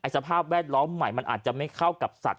สภาพแวดล้อมใหม่มันอาจจะไม่เข้ากับสัตว